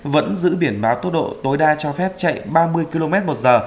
vẫn giữ biển báo tốc độ tối đa cho phép chạy ba mươi km một giờ